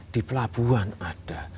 di pelabuhan ada